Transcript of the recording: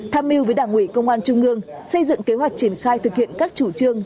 tham mưu với đảng ủy công an trung ương xây dựng kế hoạch triển khai thực hiện các chủ trương